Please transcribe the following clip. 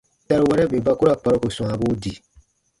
Taruwɛrɛ bè ba ku ra kparuko swãabuu di.